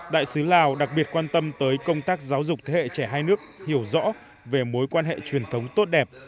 đại sứ lào đặc biệt quan tâm tới công tác giáo dục thế hệ trẻ hai nước hiểu rõ về mối quan hệ truyền thống tốt đẹp